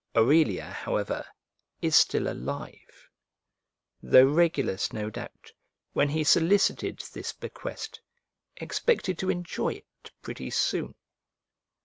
Aurelia, however, is still alive: though Regulus, no doubt, when he solicited this bequest, expected to enjoy it pretty soon.